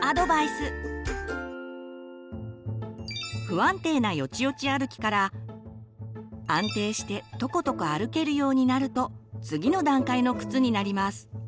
不安定なよちよち歩きから安定してとことこ歩けるようになると次の段階の靴になります。